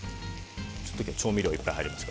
調味料がいっぱい入ります。